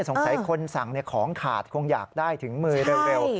สงสัยคนสั่งของขาดคงอยากได้ถึงมือเร็ว